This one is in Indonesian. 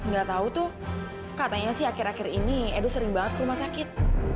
gak tau tuh katanya sih akhir akhir ini edo sering banget ke rumah sakit